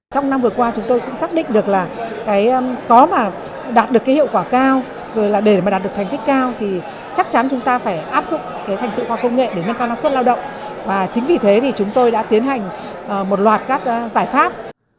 trong năm vừa qua chúng tôi cũng xác định được là có mà đạt được cái hiệu quả cao rồi là để mà đạt được thành tích cao thì chắc chắn chúng ta phải áp dụng cái thành tựu khoa công nghệ để nâng cao năng suất lao động và chính vì thế thì chúng tôi đã tiến hành một loạt các giải pháp